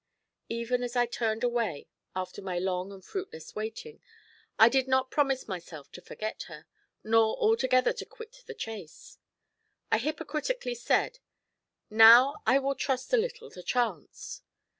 Even as I turned away after my long and fruitless waiting, I did not promise myself to forget her, nor altogether to quit the chase. I hypocritically said, 'Now I will trust a little to chance.'